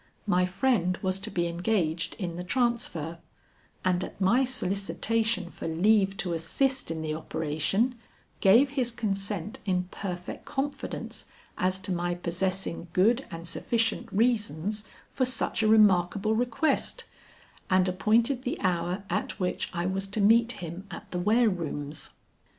My friend was to be engaged in the transfer, and at my solicitation for leave to assist in the operation, gave his consent in perfect confidence as to my possessing good and sufficient reasons for such a remarkable request, and appointed the hour at which I was to meet him at the ware rooms.